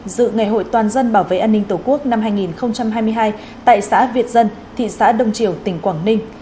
dự ngày hội toàn dân bảo vệ an ninh tổ quốc năm hai nghìn hai mươi hai tại xã việt dân thị xã đông triều tỉnh quảng ninh